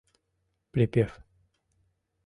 Припев: